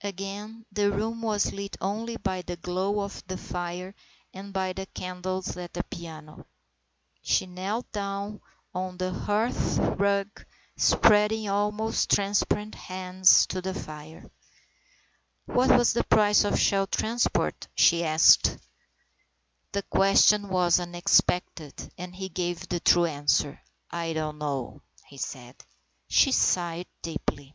Again the room was lit only by the glow of the fire and by the candles at the piano. She knelt down on the hearth rug, spreading almost transparent hands to the fire. " What was the price of Shell Transport ?" she asked. SAINT MARTIN'S SUMMER 159 The question was unexpected, and he gave the true answer. " I don't know," he said. She sighed deeply.